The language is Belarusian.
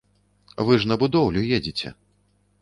Вы ж на будоўлю едзеце.